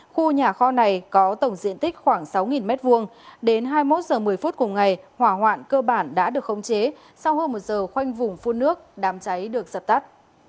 khu nhà kho này có tổng diện tích khoảng sáu m hai đến hai mươi một h một mươi phút cùng ngày hỏa hoạn cơ bản đã được khống chế sau hơn một giờ khoanh vùng phun nước đám cháy được dập tắt